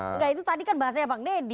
enggak itu tadi kan bahasanya bang deddy